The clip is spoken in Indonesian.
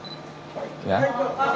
pak siapa yang berpikir ini